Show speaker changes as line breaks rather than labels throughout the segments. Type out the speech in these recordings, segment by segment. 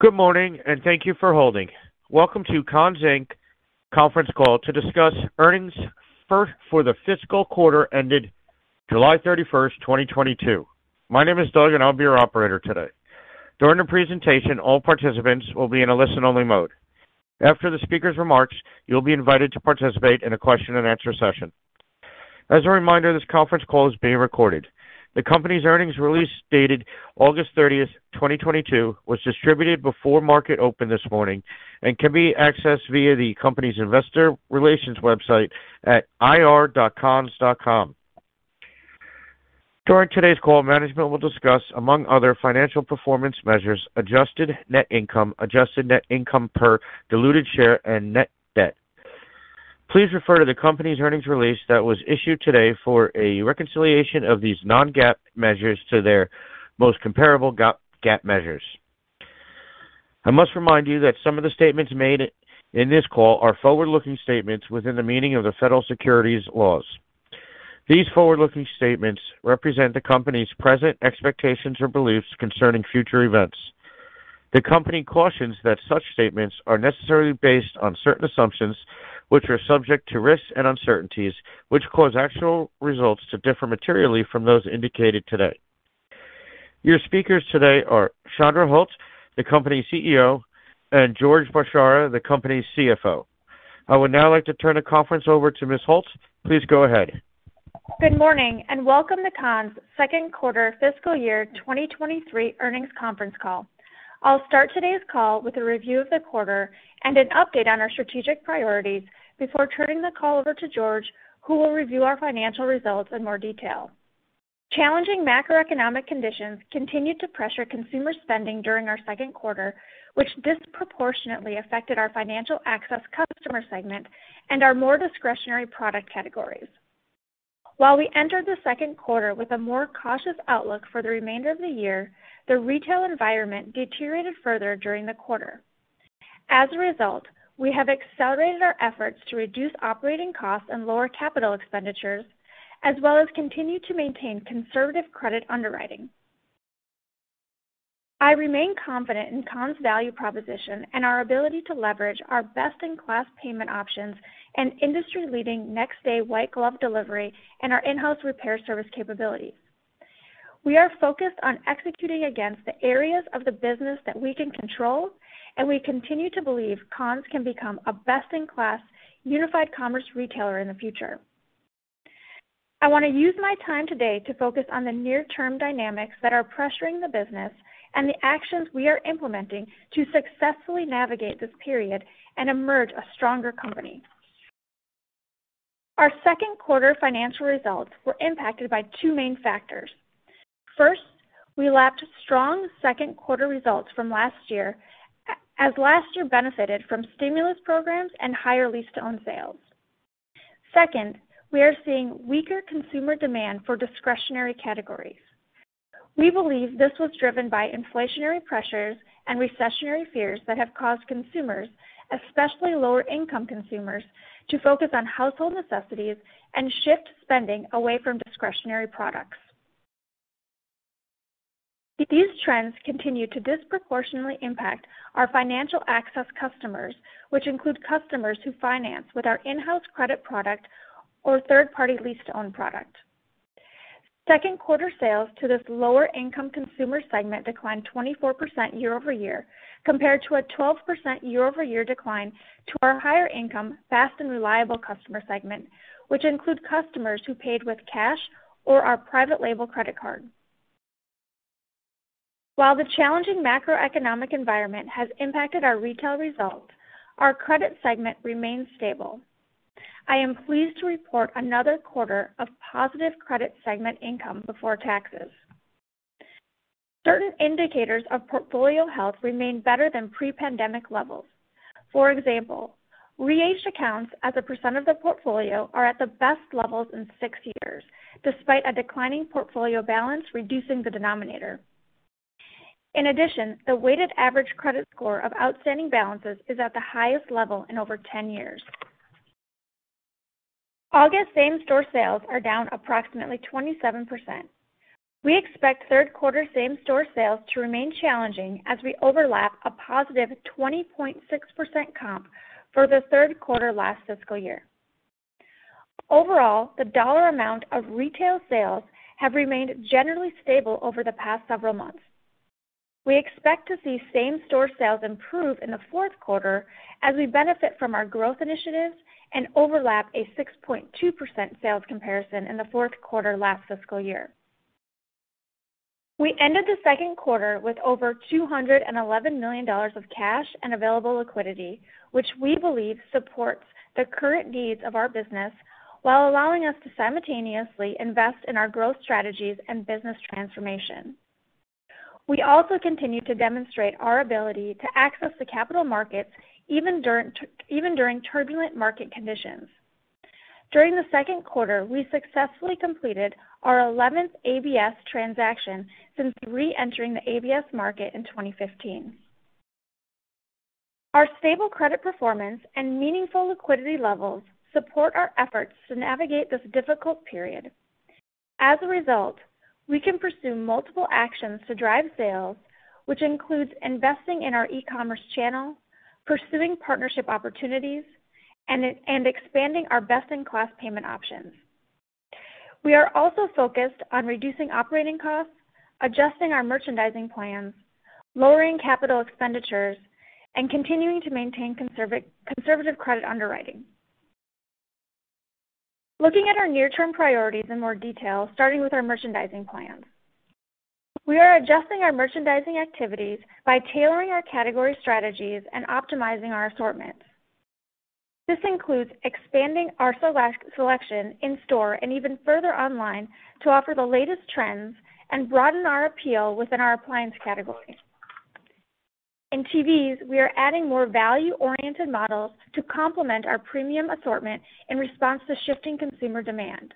Good morning, and thank you for holding. Welcome to Conn's, Inc. conference call to discuss earnings for the fiscal quarter ended July 31st, 2022. My name is Doug, and I'll be your operator today. During the presentation, all participants will be in a listen-only mode. After the speaker's remarks, you'll be invited to participate in a Q&A session. As a reminder, this conference call is being recorded. The company's earnings release dated August 30th, 2022, was distributed before market open this morning and can be accessed via the company's investor relations website at ir.conns.com. During today's call, management will discuss, among other financial performance measures, adjusted net income, adjusted net income per diluted share, and net debt. Please refer to the company's earnings release that was issued today for a reconciliation of these non-GAAP measures to their most comparable GAAP measures. I must remind you that some of the statements made in this call are forward-looking statements within the meaning of the federal securities laws. These forward-looking statements represent the company's present expectations or beliefs concerning future events. The company cautions that such statements are necessarily based on certain assumptions which are subject to risks and uncertainties, which cause actual results to differ materially from those indicated today. Your speakers today are Chandra Holt, the company's CEO, and George Bchara, the company's CFO. I would now like to turn the conference over to Ms. Holt. Please go ahead.
Good morning, and welcome to Conn's second quarter fiscal year 2023 earnings conference call. I'll start today's call with a review of the quarter and an update on our strategic priorities before turning the call over to George, who will review our financial results in more detail. Challenging macroeconomic conditions continued to pressure consumer spending during our second quarter, which disproportionately affected our financial access customer segment and our more discretionary product categories. While we entered the second quarter with a more cautious outlook for the remainder of the year, the retail environment deteriorated further during the quarter. As a result, we have accelerated our efforts to reduce operating costs and lower capital expenditures, as well as continue to maintain conservative credit underwriting. I remain confident in Conn's value proposition and our ability to leverage our best-in-class payment options and industry-leading next-day White Glove Delivery and our in-house repair service capabilities. We are focused on executing against the areas of the business that we can control, and we continue to believe Conn's can become a best-in-class unified commerce retailer in the future. I wanna use my time today to focus on the near-term dynamics that are pressuring the business and the actions we are implementing to successfully navigate this period and emerge a stronger company. Our second quarter financial results were impacted by two main factors. First, we lapped strong second quarter results from last year as last year benefited from stimulus programs and higher lease-to-own sales. Second, we are seeing weaker consumer demand for discretionary categories. We believe this was driven by inflationary pressures and recessionary fears that have caused consumers, especially lower-income consumers, to focus on household necessities and shift spending away from discretionary products. These trends continue to disproportionately impact our financial access customers, which include customers who finance with our in-house credit product or third-party lease-to-own product. Second quarter sales to this lower-income consumer segment declined 24% year-over-year, compared to a 12% year-over-year decline to our higher income, fast and reliable customer segment, which include customers who paid with cash or our private label credit card. While the challenging macroeconomic environment has impacted our retail results, our credit segment remains stable. I am pleased to report another quarter of positive credit segment income before taxes. Certain indicators of portfolio health remain better than pre-pandemic levels. For example, REO counts as a percent of the portfolio are at the best levels in six years, despite a declining portfolio balance reducing the denominator. In addition, the weighted average credit score of outstanding balances is at the highest level in over 10 years. August same-store sales are down approximately 27%. We expect third quarter same-store sales to remain challenging as we overlap a positive 20.6% comp for the third quarter last fiscal year. Overall, the dollar amount of retail sales have remained generally stable over the past several months. We expect to see same-store sales improve in the fourth quarter as we benefit from our growth initiatives and overlap a 6.2% sales comparison in the fourth quarter last fiscal year. We ended the second quarter with over $211 million of cash and available liquidity, which we believe supports the current needs of our business while allowing us to simultaneously invest in our growth strategies and business transformation. We also continue to demonstrate our ability to access the capital markets even during turbulent market conditions. During the second quarter, we successfully completed our eleventh ABS transaction since reentering the ABS market in 2015. Our stable credit performance and meaningful liquidity levels support our efforts to navigate this difficult period. As a result, we can pursue multiple actions to drive sales, which includes investing in our e-commerce channel, pursuing partnership opportunities, and expanding our best-in-class payment options. We are also focused on reducing operating costs, adjusting our merchandising plans, lowering capital expenditures, and continuing to maintain conservative credit underwriting. Looking at our near-term priorities in more detail, starting with our merchandising plans. We are adjusting our merchandising activities by tailoring our category strategies and optimizing our assortments. This includes expanding our selection in store and even further online to offer the latest trends and broaden our appeal within our appliance category. In TVs, we are adding more value-oriented models to complement our premium assortment in response to shifting consumer demand.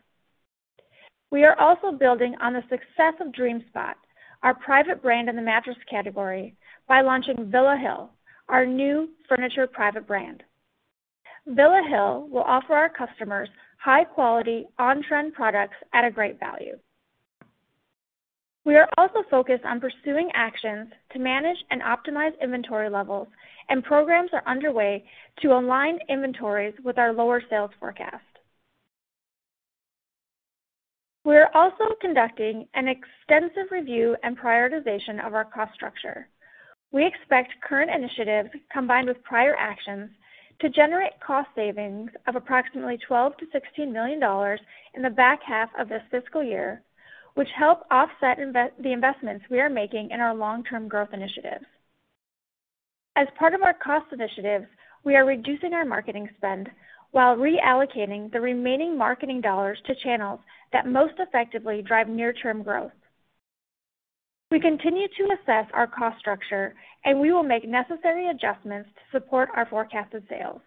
We are also building on the success of DreamSpot, our private brand in the mattress category, by launching Villa Hill, our new furniture private brand. Villa Hill will offer our customers high quality, on-trend products at a great value. We are also focused on pursuing actions to manage and optimize inventory levels, and programs are underway to align inventories with our lower sales forecast. We are also conducting an extensive review and prioritization of our cost structure. We expect current initiatives combined with prior actions to generate cost savings of approximately $12-$16 million in the back half of this fiscal year, which help offset the investments we are making in our long-term growth initiatives. As part of our cost initiatives, we are reducing our marketing spend while reallocating the remaining marketing dollars to channels that most effectively drive near-term growth. We continue to assess our cost structure, and we will make necessary adjustments to support our forecasted sales.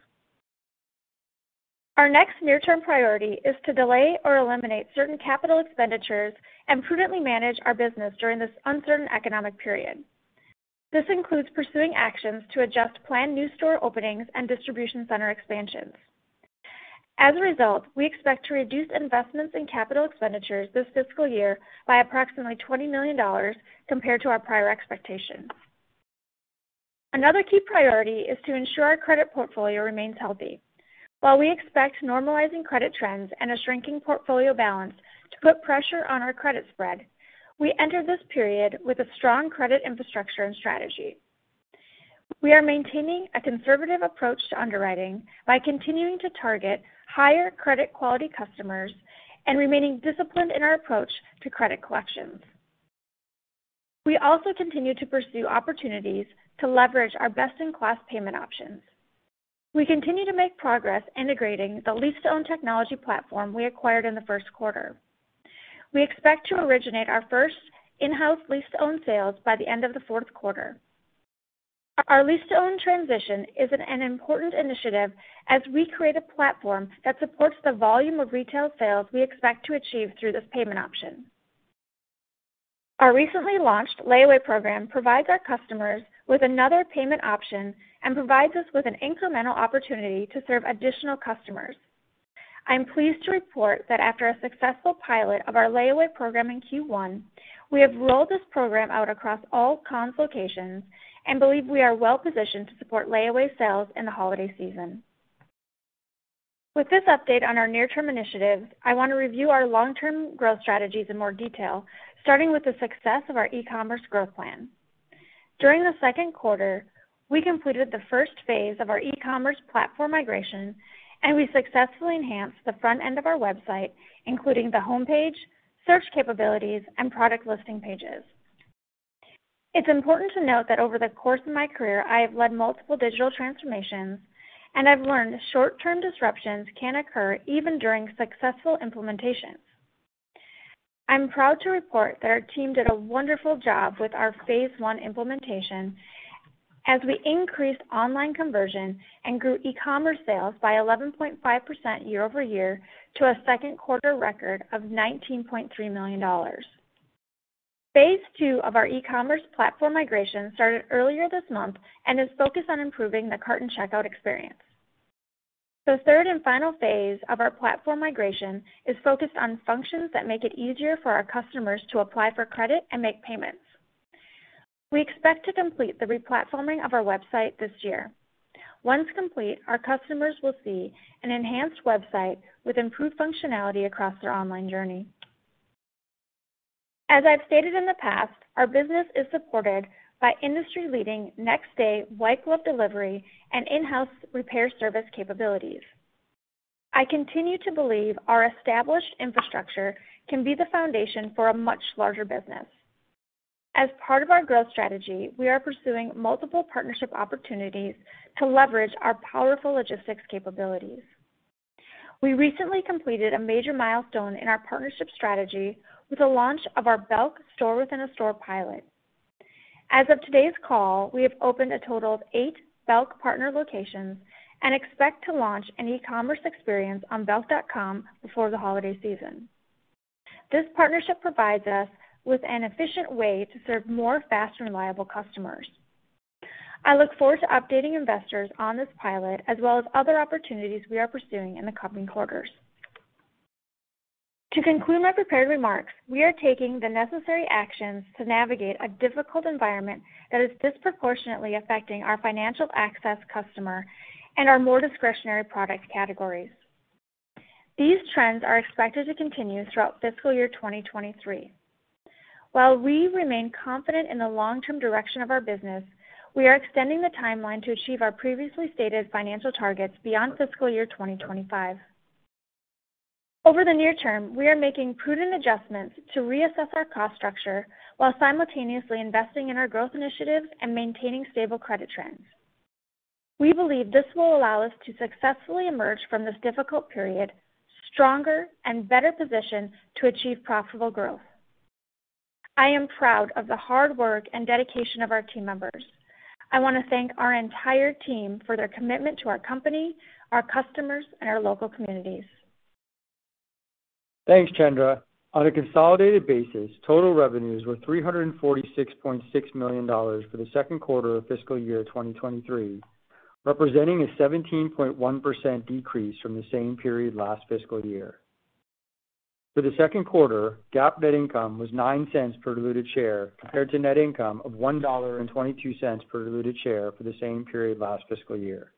Our next near-term priority is to delay or eliminate certain capital expenditures and prudently manage our business during this uncertain economic period. This includes pursuing actions to adjust planned new store openings and distribution center expansions. As a result, we expect to reduce investments in capital expenditures this fiscal year by approximately $20 million compared to our prior expectations. Another key priority is to ensure our credit portfolio remains healthy. While we expect normalizing credit trends and a shrinking portfolio balance to put pressure on our credit spread, we enter this period with a strong credit infrastructure and strategy. We are maintaining a conservative approach to underwriting by continuing to target higher credit quality customers and remaining disciplined in our approach to credit collections. We also continue to pursue opportunities to leverage our best-in-class payment options. We continue to make progress integrating the lease-to-own technology platform we acquired in the first quarter. We expect to originate our first in-house lease-to-own sales by the end of the fourth quarter. Our lease-to-own transition is an important initiative as we create a platform that supports the volume of retail sales we expect to achieve through this payment option. Our recently launched layaway program provides our customers with another payment option and provides us with an incremental opportunity to serve additional customers. I'm pleased to report that after a successful pilot of our layaway program in Q1, we have rolled this program out across all Conn's locations and believe we are well positioned to support layaway sales in the holiday season. With this update on our near-term initiatives, I want to review our long-term growth strategies in more detail, starting with the success of our e-commerce growth plan. During the second quarter, we completed the first phase of our e-commerce platform migration, and we successfully enhanced the front end of our website, including the homepage, search capabilities, and product listing pages. It's important to note that over the course of my career, I have led multiple digital transformations, and I've learned short-term disruptions can occur even during successful implementations. I'm proud to report that our team did a wonderful job with our phase one implementation as we increased online conversion and grew e-commerce sales by 11.5% year-over-year to a second quarter record of $19.3 million. Phase two of our e-commerce platform migration started earlier this month and is focused on improving the cart and checkout experience. The third and final phase of our platform migration is focused on functions that make it easier for our customers to apply for credit and make payments. We expect to complete the re-platforming of our website this year. Once complete, our customers will see an enhanced website with improved functionality across their online journey. As I've stated in the past, our business is supported by industry-leading next day White Glove Delivery and in-house repair service capabilities. I continue to believe our established infrastructure can be the foundation for a much larger business. As part of our growth strategy, we are pursuing multiple partnership opportunities to leverage our powerful logistics capabilities. We recently completed a major milestone in our partnership strategy with the launch of our Belk store within a store pilot. As of today's call, we have opened a total of eight Belk partner locations and expect to launch an e-commerce experience on belk.com before the holiday season. This partnership provides us with an efficient way to serve more fast and reliable customers. I look forward to updating investors on this pilot, as well as other opportunities we are pursuing in the coming quarters. To conclude my prepared remarks, we are taking the necessary actions to navigate a difficult environment that is disproportionately affecting our financial access customer and our more discretionary product categories. These trends are expected to continue throughout fiscal year 2023. While we remain confident in the long-term direction of our business, we are extending the timeline to achieve our previously stated financial targets beyond fiscal year 2025. Over the near term, we are making prudent adjustments to reassess our cost structure while simultaneously investing in our growth initiatives and maintaining stable credit trends. We believe this will allow us to successfully emerge from this difficult period stronger and better positioned to achieve profitable growth. I am proud of the hard work and dedication of our team members. I wanna thank our entire team for their commitment to our company, our customers, and our local communities.
Thanks, Chandra. On a consolidated basis, total revenues were $346.6 million for the second quarter of fiscal year 2023, representing a 17.1% decrease from the same period last fiscal year. For the second quarter, GAAP net income was $0.09 per diluted share compared to net income of $1.22 per diluted share for the same period last fiscal year.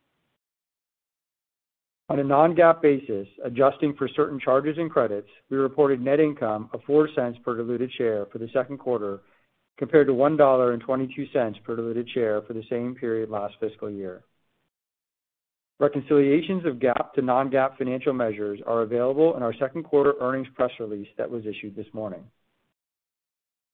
On a non-GAAP basis, adjusting for certain charges and credits, we reported net income of $0.04 per diluted share for the second quarter compared to $1.22 per diluted share for the same period last fiscal year. Reconciliations of GAAP to non-GAAP financial measures are available in our second quarter earnings press release that was issued this morning.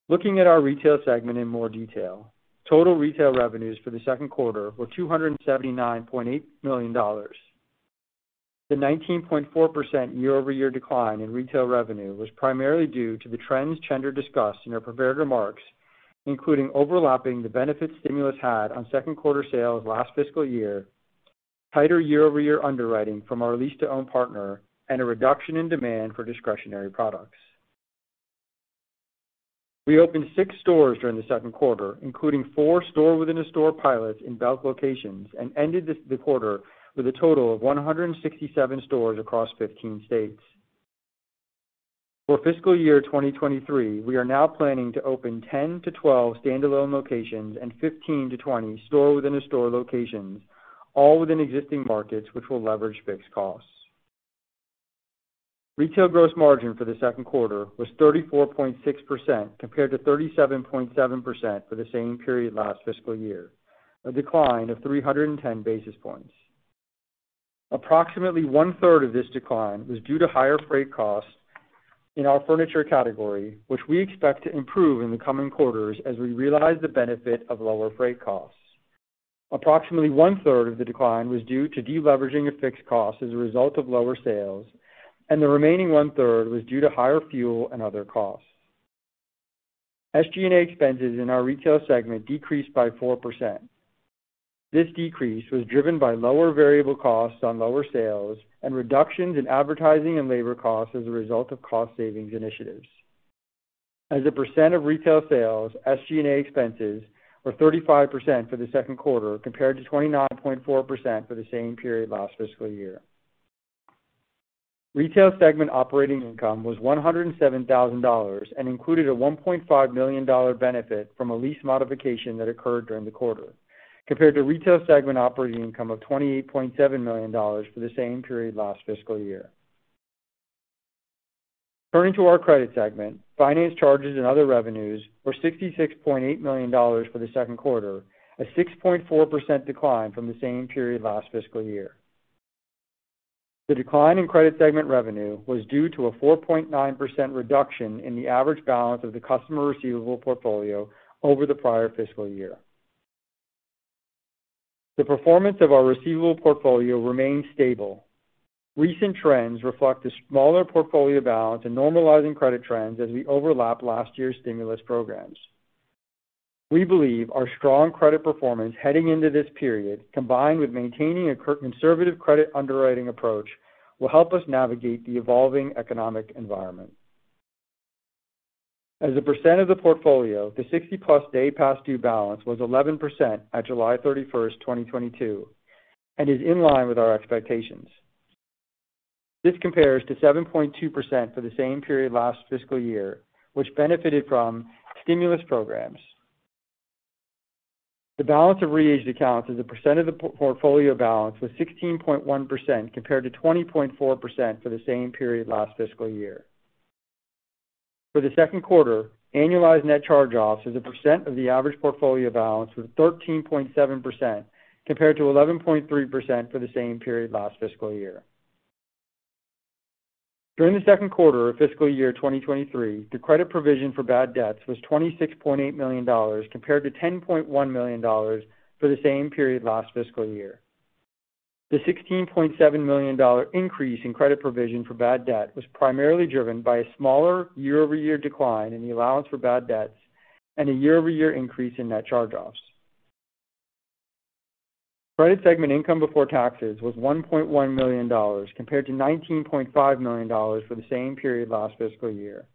Looking at our retail segment in more detail. Total retail revenues for the second quarter were $279.8 million. The 19.4% year-over-year decline in retail revenue was primarily due to the trends Chandra discussed in her prepared remarks, including overlapping the benefit stimulus had on second quarter sales last fiscal year, tighter year-over-year underwriting from our lease-to-own partner, and a reduction in demand for discretionary products. We opened six stores during the second quarter, including four store within a store pilots in Belk locations, and ended the quarter with a total of 167 stores across 15 states. For fiscal year 2023, we are now planning to open 10-12 standalone locations and 15-20 store within a store locations, all within existing markets, which will leverage fixed costs. Retail gross margin for the second quarter was 34.6% compared to 37.7% for the same period last fiscal year, a decline of 310 basis points. Approximately 1/3 of this decline was due to higher freight costs in our furniture category, which we expect to improve in the coming quarters as we realize the benefit of lower freight costs. Approximately one-third of the decline was due to deleveraging of fixed costs as a result of lower sales, and the remaining 1/3 was due to higher fuel and other costs. SG&A expenses in our retail segment decreased by 4%. This decrease was driven by lower variable costs on lower sales and reductions in advertising and labor costs as a result of cost savings initiatives. As a percent of retail sales, SG&A expenses were 35% for the second quarter compared to 29.4% for the same period last fiscal year. Retail segment operating income was $107,000 and included a $1.5 million benefit from a lease modification that occurred during the quarter, compared to retail segment operating income of $28.7 million for the same period last fiscal year. Turning to our credit segment. Finance charges and other revenues were $66.8 million for the second quarter, a 6.4% decline from the same period last fiscal year. The decline in credit segment revenue was due to a 4.9% reduction in the average balance of the customer receivable portfolio over the prior fiscal year. The performance of our receivable portfolio remained stable. Recent trends reflect a smaller portfolio balance and normalizing credit trends as we overlap last year's stimulus programs. We believe our strong credit performance heading into this period, combined with maintaining a conservative credit underwriting approach, will help us navigate the evolving economic environment. As a percent of the portfolio, the 60+ day past due balance was 11% at July 31st, 2022, and is in line with our expectations. This compares to 7.2% for the same period last fiscal year, which benefited from stimulus programs. The balance of reaged accounts as a percent of the portfolio balance was 16.1% compared to 20.4% for the same period last fiscal year. For the second quarter, annualized net charge-offs as a percent of the average portfolio balance was 13.7% compared to 11.3% for the same period last fiscal year. During the second quarter of fiscal year 2023, the credit provision for bad debts was $26.8 million compared to $10.1 million for the same period last fiscal year. The $16.7 million dollar increase in credit provision for bad debt was primarily driven by a smaller year-over-year decline in the allowance for bad debts and a year-over-year increase in net charge-offs. Credit segment income before taxes was $1.1 million compared to $19.5 million for the same period last fiscal year.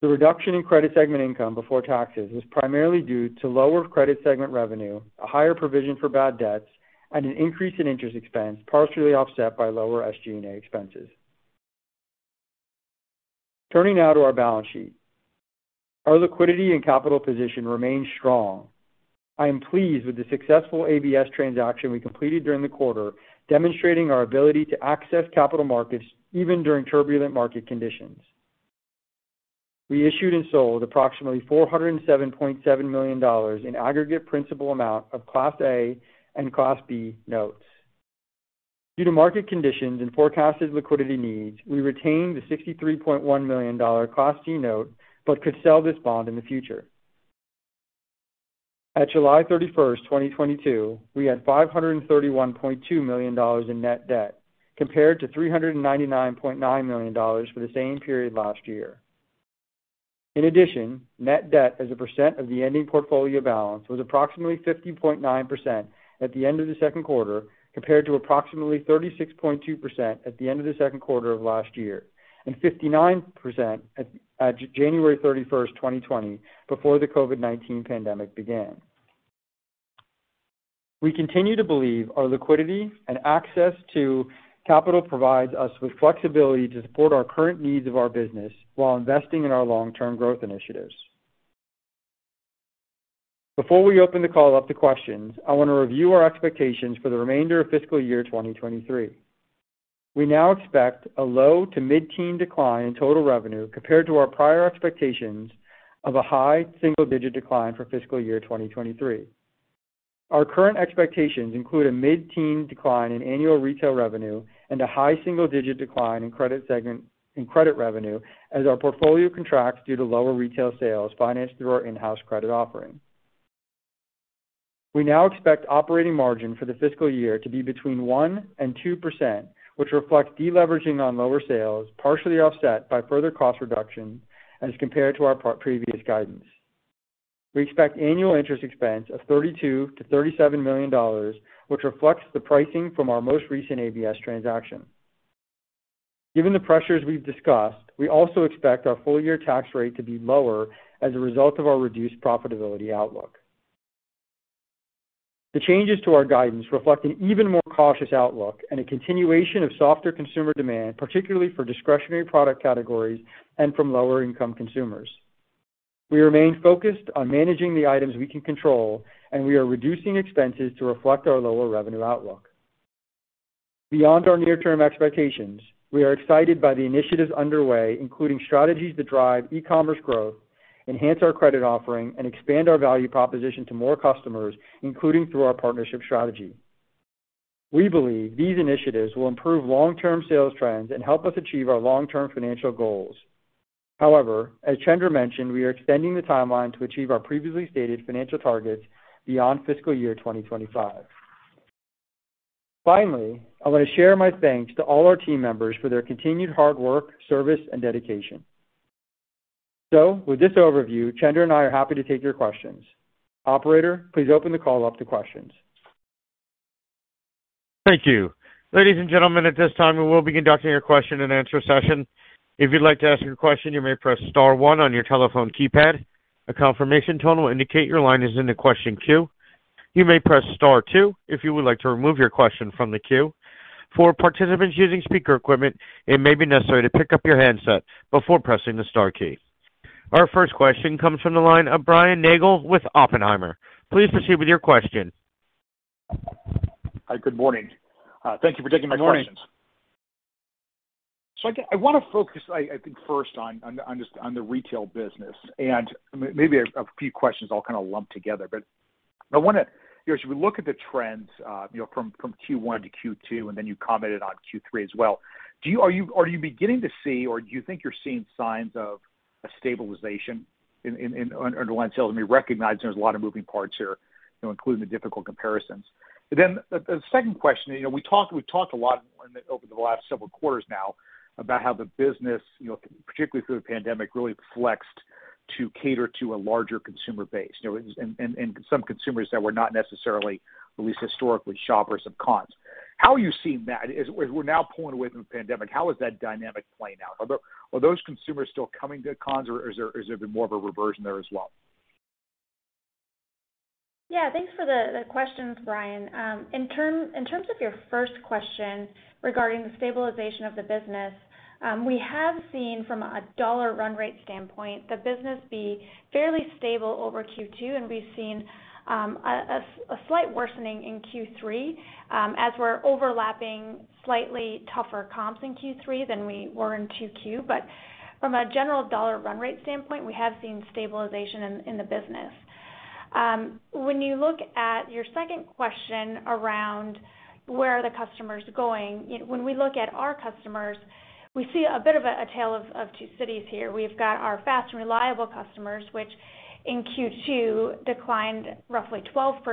The reduction in credit segment income before taxes was primarily due to lower credit segment revenue, a higher provision for bad debts, and an increase in interest expense, partially offset by lower SG&A expenses. Turning now to our balance sheet. Our liquidity and capital position remains strong. I am pleased with the successful ABS transaction we completed during the quarter, demonstrating our ability to access capital markets even during turbulent market conditions. We issued and sold approximately $407.7 million in aggregate principal amount of Class A and Class B notes. Due to market conditions and forecasted liquidity needs, we retained the $63.1 million Class C note, but could sell this bond in the future. As of July 31st, 2022, we had $531.2 million in net debt, compared to $399.9 million for the same period last year. In addition, net debt as a percent of the ending portfolio balance was approximately 50.9% at the end of the second quarter, compared to approximately 36.2% at the end of the second quarter of last year, and 59% at January 31st, 2020, before the COVID-19 pandemic began. We continue to believe our liquidity and access to capital provides us with flexibility to support our current needs of our business while investing in our long-term growth initiatives. Before we open the call up to questions, I wanna review our expectations for the remainder of fiscal year 2023. We now expect a low- to mid-teen decline in total revenue compared to our prior expectations of a high single-digit decline for fiscal year 2023. Our current expectations include a mid-teen decline in annual retail revenue and a high single-digit decline in credit revenue as our portfolio contracts due to lower retail sales financed through our in-house credit offering. We now expect operating margin for the fiscal year to be between 1% and 2%, which reflects deleveraging on lower sales, partially offset by further cost reduction as compared to our previous guidance. We expect annual interest expense of $32 million-$37 million, which reflects the pricing from our most recent ABS transaction. Given the pressures we've discussed, we also expect our full-year tax rate to be lower as a result of our reduced profitability outlook. The changes to our guidance reflect an even more cautious outlook and a continuation of softer consumer demand, particularly for discretionary product categories and from lower-income consumers. We remain focused on managing the items we can control, and we are reducing expenses to reflect our lower revenue outlook. Beyond our near-term expectations, we are excited by the initiatives underway, including strategies to drive e-commerce growth, enhance our credit offering, and expand our value proposition to more customers, including through our partnership strategy. We believe these initiatives will improve long-term sales trends and help us achieve our long-term financial goals. However, as Chandra mentioned, we are extending the timeline to achieve our previously stated financial targets beyond fiscal year 2025. Finally, I wanna share my thanks to all our team members for their continued hard work, service, and dedication. With this overview, Chandra and I are happy to take your questions. Operator, please open the call up to questions.
Thank you. Ladies and gentlemen, at this time, we will be conducting your Q&A session. If you'd like to ask your question, you may press star one on your telephone keypad. A confirmation tone will indicate your line is in the question queue. You may press star two if you would like to remove your question from the queue. For participants using speaker equipment, it may be necessary to pick up your handset before pressing the star key. Our first question comes from the line of Brian Nagel with Oppenheimer. Please proceed with your question.
Hi, good morning. Thank you for taking my questions.
Good morning.
I wanna focus, I think, first on the retail business, and maybe a few questions all kind of lumped together. I wanna, you know, as you look at the trends, you know, from Q1 to Q2, and then you commented on Q3 as well, are you beginning to see, or do you think you're seeing signs of a stabilization in underlying sales? We recognize there's a lot of moving parts here, you know, including the difficult comparisons. Then the second question, you know, we talked, we've talked a lot over the last several quarters now about how the business, you know, particularly through the pandemic, really flexed to cater to a larger consumer base, you know, and some consumers that were not necessarily at least historically shoppers of Conn's. How are you seeing that as we're now pulling away from the pandemic, how is that dynamic playing out? Are those consumers still coming to Conn's or is there been more of a reversion there as well?
Yeah, thanks for the questions, Brian. In terms of your first question regarding the stabilization of the business, we have seen from a dollar run rate standpoint, the business be fairly stable over Q2, and we've seen a slight worsening in Q3, as we're overlapping slightly tougher comps in Q3 than we were in 2Q. From a general dollar run rate standpoint, we have seen stabilization in the business. When you look at your second question around where are the customers going, when we look at our customers. We see a bit of a tale of two cities here. We've got our fast and reliable customers, which in Q2 declined roughly 12%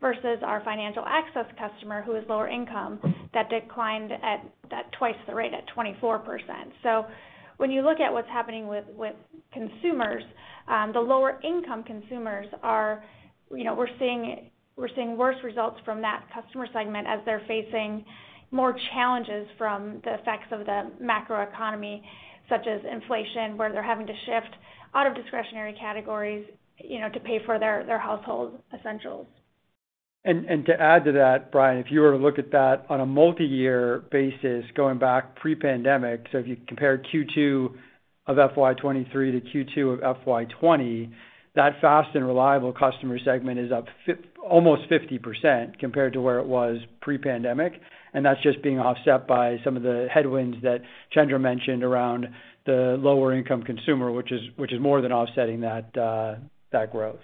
versus our financial access customer who is lower income that declined at twice the rate at 24%. When you look at what's happening with consumers, the lower income consumers are, you know, we're seeing worse results from that customer segment as they're facing more challenges from the effects of the macroeconomy, such as inflation, where they're having to shift out of discretionary categories, you know, to pay for their household essentials.
To add to that, Brian, if you were to look at that on a multi-year basis, going back pre-pandemic, so if you compare Q2 of FY 2023 to Q2 of FY 2020, that fast and reliable customer segment is up almost 50% compared to where it was pre-pandemic. That's just being offset by some of the headwinds that Chandra mentioned around the lower income consumer, which is more than offsetting that growth.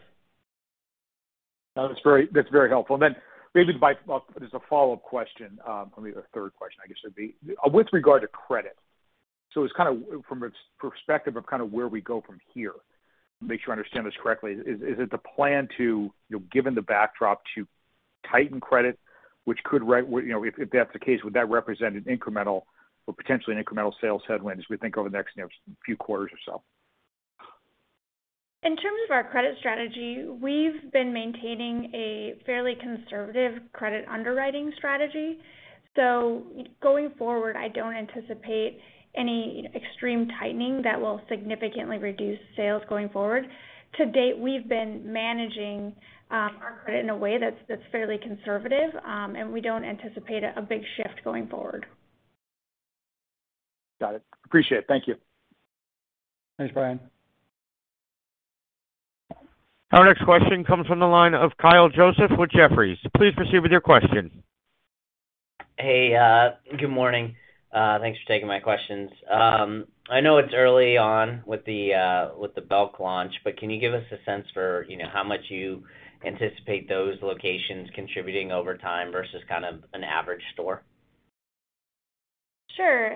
That's very helpful. Then maybe as a follow-up question, or maybe the third question, I guess it would be. With regard to credit, it's kinda from a perspective of kind of where we go from here. Make sure I understand this correctly. Is it the plan to, you know, given the backdrop, to tighten credit, which could you know, if that's the case, would that represent an incremental or potentially an incremental sales headwind as we think over the next, you know, few quarters or so?
In terms of our credit strategy, we've been maintaining a fairly conservative credit underwriting strategy. Going forward, I don't anticipate any extreme tightening that will significantly reduce sales going forward. To date, we've been managing our credit in a way that's fairly conservative, and we don't anticipate a big shift going forward.
Got it. Appreciate it. Thank you.
Thanks, Brian.
Our next question comes from the line of Kyle Joseph with Jefferies. Please proceed with your question.
Hey, good morning. Thanks for taking my questions. I know it's early on with the Belk launch, but can you give us a sense for, you know, how much you anticipate those locations contributing over time versus kind of an average store?
Sure.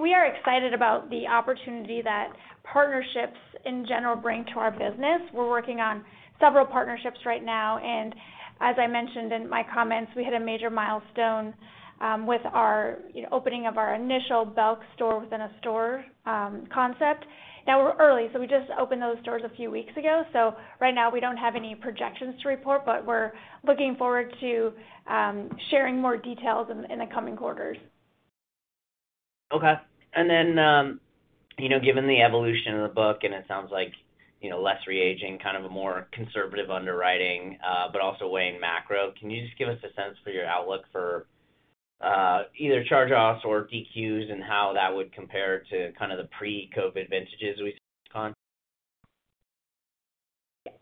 We are excited about the opportunity that partnerships in general bring to our business. We're working on several partnerships right now, and as I mentioned in my comments, we hit a major milestone with our you know opening of our initial Belk store within a store concept. Now we're early, we just opened those stores a few weeks ago. Right now we don't have any projections to report, but we're looking forward to sharing more details in the coming quarters.
You know, given the evolution of the book, and it sounds like, you know, less re-aging, kind of a more conservative underwriting, but also weighing macro, can you just give us a sense for your outlook for either charge-offs or delinquencies and how that would compare to kind of the pre-COVID vintages we've seen?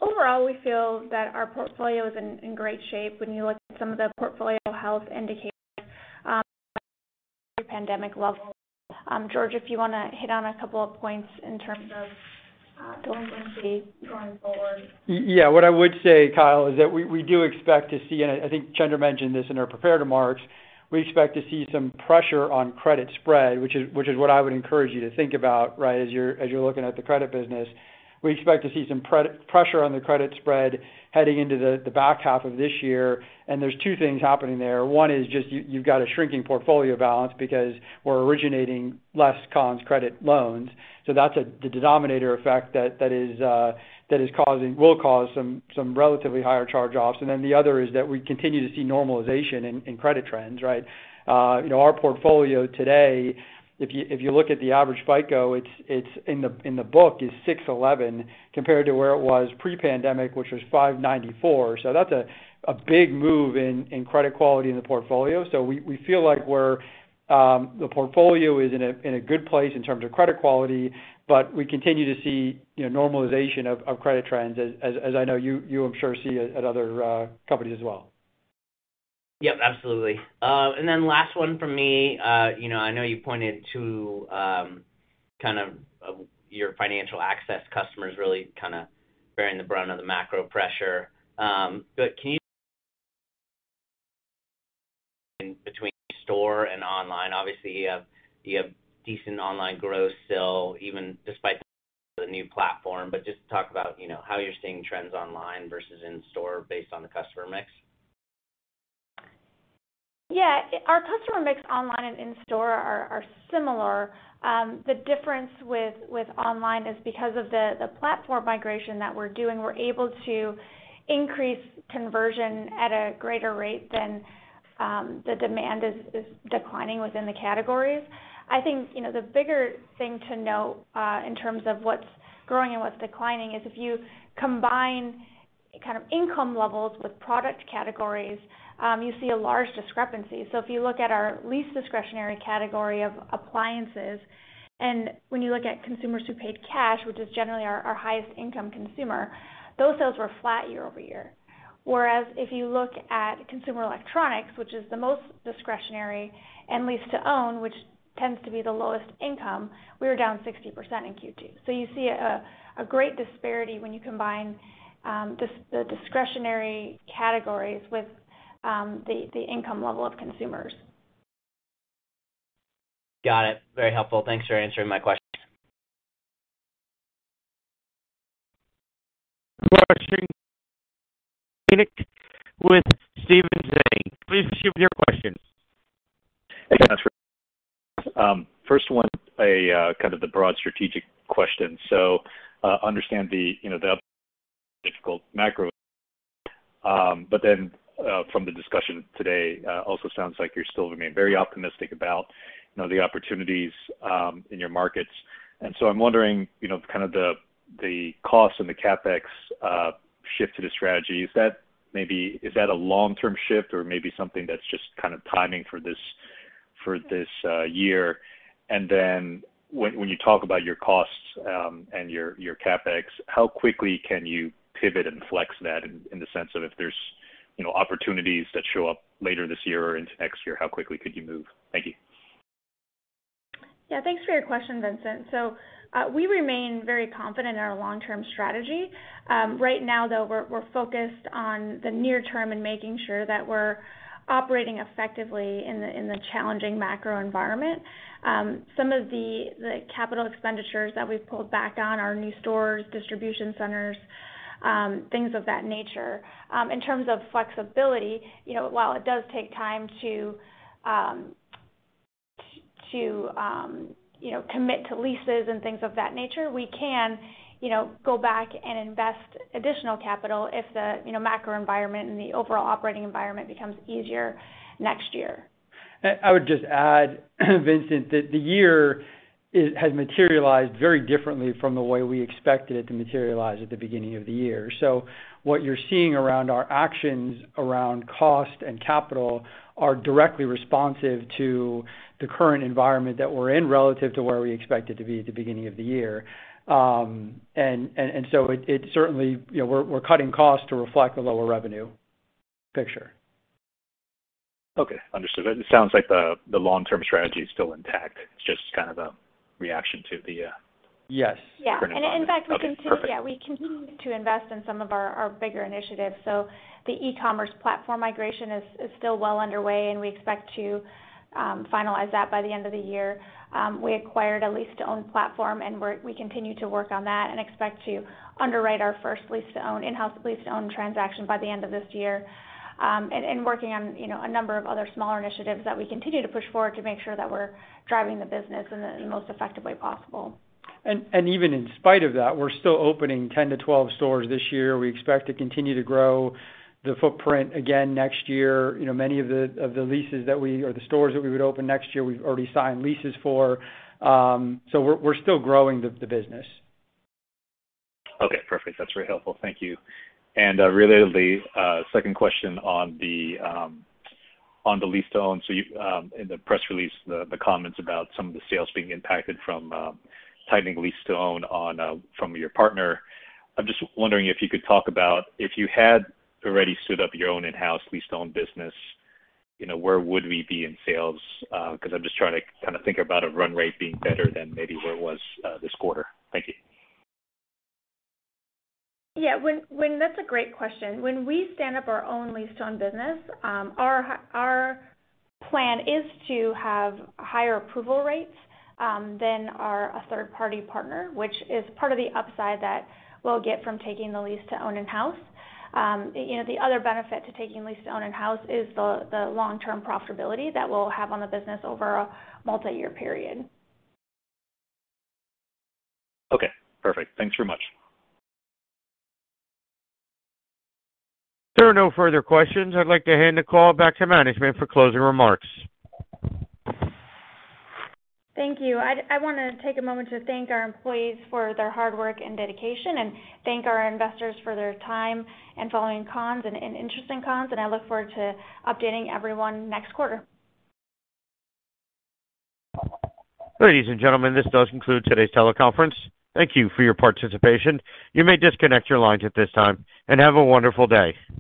Overall, we feel that our portfolio is in great shape when you look at some of the portfolio health indicators. Pandemic levels. George, if you wanna hit on a couple of points in terms of what we're going to see going forward.
Yeah. What I would say, Kyle, is that we do expect to see, and I think Chandra mentioned this in her prepared remarks, we expect to see some pressure on credit spread, which is what I would encourage you to think about, right, as you're looking at the credit business. We expect to see some pressure on the credit spread heading into the back half of this year, and there's two things happening there. One is just you've got a shrinking portfolio balance because we're originating less Conn's credit loans. So that's the denominator effect that is causing will cause some relatively higher charge-offs. Then the other is that we continue to see normalization in credit trends, right? You know, our portfolio today, if you look at the average FICO, it's in the book is 611 compared to where it was pre-pandemic, which was 594. That's a big move in credit quality in the portfolio. We feel like the portfolio is in a good place in terms of credit quality, but we continue to see, you know, normalization of credit trends as I know you I'm sure see at other companies as well.
Yep, absolutely. Last one from me. You know, I know you pointed to kind of your financial access customers really kinda bearing the brunt of the macro pressure. Can you between store and online? Obviously, you have decent online growth still, even despite the new platform. Just talk about you know how you're seeing trends online versus in-store based on the customer mix.
Yeah. Our customer mix online and in-store are similar. The difference with online is because of the platform migration that we're doing, we're able to increase conversion at a greater rate than the demand is declining within the categories. I think, you know, the bigger thing to note in terms of what's growing and what's declining is if you combine kind of income levels with product categories, you see a large discrepancy. If you look at our least discretionary category of appliances, and when you look at consumers who paid cash, which is generally our highest income consumer, those sales were flat year-over-year. Whereas if you look at consumer electronics, which is the most discretionary and lease-to-own, which tends to be the lowest income, we were down 60% in Q2. You see a great disparity when you combine the discretionary categories with the income level of consumers.
Got it. Very helpful. Thanks for answering my question.
We are streaming Stephens with Steven Dearing. Please proceed with your question.
Hey, guys. First one, kind of the broad strategic question. Understand the, you know, the difficult macro. From the discussion today, also sounds like you still remain very optimistic about, you know, the opportunities in your markets. I'm wondering, you know, kind of the cost and the CapEx shift to the strategy. Is that maybe a long-term shift or maybe something that's just kind of timing for this year? When you talk about your costs and your CapEx, how quickly can you pivot and flex that in the sense of if there's, you know, opportunities that show up later this year or into next year? How quickly could you move? Thank you.
Yeah. Thanks for your question, Vincent. We remain very confident in our long-term strategy. Right now, though, we're focused on the near term and making sure that we're operating effectively in the challenging macro environment. Some of the capital expenditures that we've pulled back on are new stores, distribution centers, things of that nature. In terms of flexibility, you know, while it does take time to you know, commit to leases and things of that nature, we can, you know, go back and invest additional capital if the you know, macro environment and the overall operating environment becomes easier next year.
I would just add, Vincent, that the year has materialized very differently from the way we expected it to materialize at the beginning of the year. What you're seeing around our actions around cost and capital are directly responsive to the current environment that we're in relative to where we expected to be at the beginning of the year. It certainly, you know, we're cutting costs to reflect the lower revenue picture.
Okay. Understood. It sounds like the long-term strategy is still intact. It's just kind of a reaction to the.
Yes.
Yeah.
Current environment.
In fact, we continue.
Okay. Perfect.
Yeah. We continue to invest in some of our bigger initiatives. The e-commerce platform migration is still well underway, and we expect to finalize that by the end of the year. We acquired a lease-to-own platform, and we continue to work on that and expect to underwrite our first lease-to-own, in-house lease-to-own transaction by the end of this year, and working on, you know, a number of other smaller initiatives that we continue to push forward to make sure that we're driving the business in the most effective way possible.
Even in spite of that, we're still opening 10-12 stores this year. We expect to continue to grow the footprint again next year. You know, many of the leases or the stores that we would open next year, we've already signed leases for. We're still growing the business.
Okay. Perfect. That's very helpful. Thank you. Relatedly, second question on the lease-to-own. In the press release, the comments about some of the sales being impacted from tightening lease-to-own from your partner. I'm just wondering if you could talk about if you had already stood up your own in-house lease-to-own business, you know, where would we be in sales? Because I'm just trying to kind of think about a run rate being better than maybe where it was this quarter. Thank you.
Yeah. That's a great question. When we stand up our own lease-to-own business, our plan is to have higher approval rates than our third-party partner, which is part of the upside that we'll get from taking the lease-to-own in-house. You know, the other benefit to taking lease-to-own in-house is the long-term profitability that we'll have on the business over a multiyear period.
Okay. Perfect. Thanks very much.
There are no further questions. I'd like to hand the call back to management for closing remarks.
Thank you. I wanna take a moment to thank our employees for their hard work and dedication and thank our investors for their time in following Conn's and interest in Conn's, and I look forward to updating everyone next quarter.
Ladies and gentlemen, this does conclude today's teleconference. Thank you for your participation. You may disconnect your lines at this time, and have a wonderful day.